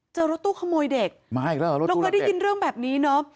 เจอรถตู้ขโมยเด็กแล้วก็ได้ยินเรื่องแบบนี้เนอะ